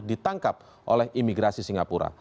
ditangkap oleh imigrasi singapura